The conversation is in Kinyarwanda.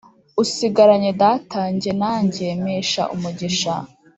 usigiranye data Jye nanjye mpesha umugisha